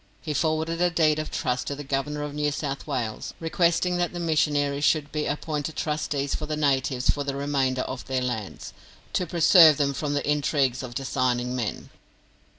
He forwarded a deed of trust to the governor of New South Wales, requesting that the missionaries should be appointed trustees for the natives for the remainder of their lands, "to preserve them from the intrigues of designing men."